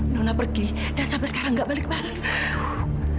nona pergi dan sampai sekarang nggak balik balik